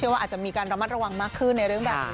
โปรดติดตามตอนต่อไป